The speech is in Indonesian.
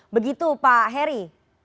begitu pak heri